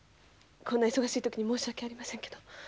こんな忙しい時に申し訳ありませんけど。